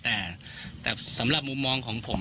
แต่สำหรับมุมมองของผม